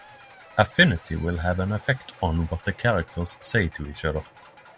Affinity will have an effect on what the characters say to each other.